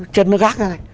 chân nó gác ra này